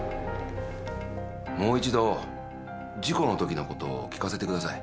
もう一度事故のときのことを聞かせてください。